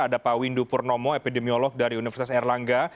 ada pak windu purnomo epidemiolog dari universitas erlangga